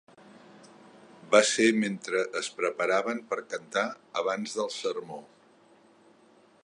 Va ser mentre es preparaven per cantar, abans del sermó.